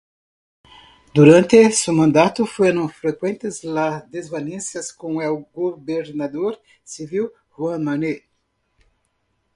Durante su mandato fueron frecuentes las desavenencias con el gobernador civil, Joan Manent.